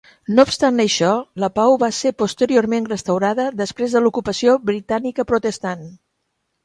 No obstant això, la pau va ser posteriorment restaurada després de l'ocupació britànica protestant.